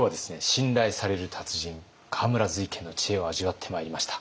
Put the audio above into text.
信頼される達人河村瑞賢の知恵を味わってまいりました。